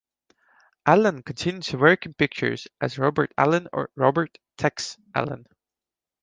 Allen continued to work in pictures, as Robert Allen or Robert "Tex" Allen.